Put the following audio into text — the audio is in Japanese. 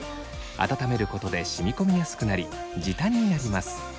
温めることで染み込みやすくなり時短になります。